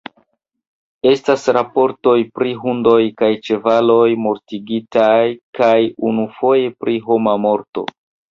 Estas raportoj pri hundoj kaj ĉevaloj mortigitaj kaj unufoje pri homa morto.